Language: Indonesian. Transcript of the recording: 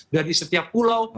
dari setiap pulau